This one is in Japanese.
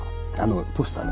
ポスターが。